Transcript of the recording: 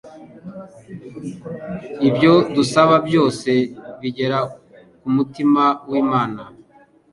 ibyo dusaba byose bigera ku mutima w’Imana.